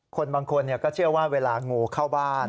คนบางคนก็เชื่อว่าเวลางูเข้าบ้าน